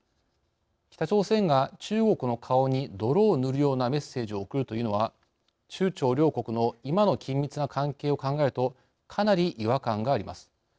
北朝鮮が中国の顔に泥を塗るようなメッセージを送るというのは中朝両国の今の緊密な関係を考えるとかなり違和感があります。